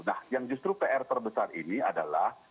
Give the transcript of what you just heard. nah yang justru pr terbesar ini adalah